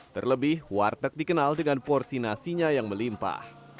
terlebih warteg dikenal dengan porsi nasinya yang melimpah